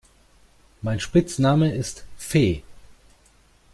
Mein Spitzname ist Fee.